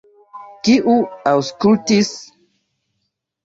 Kiu aŭskultis?